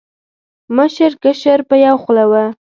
مشر، کشر په یو خوله و